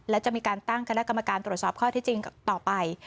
และจะมีการตั้งคณะกรรมการตรวจสอบข้อที่จริงต่อไป